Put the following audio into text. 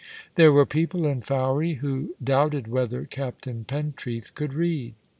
There were people in Fowey who doubted whether Captain Pentreath could read.